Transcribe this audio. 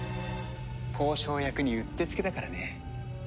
交渉役にうってつけだからね。